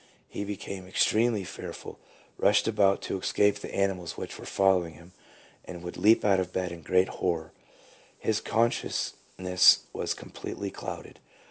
He became extremely fearful, rushed about to escape the animals which were following him, and would leap out of bed in great terror. His consciousness was completely clouded.